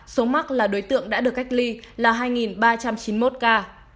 số mắc là đối tượng đã được cách ly là hai ba trăm chín mươi một ca